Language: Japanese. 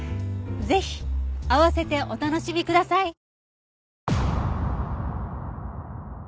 ぜひ併せてお楽しみください。